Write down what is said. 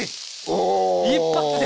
一発で！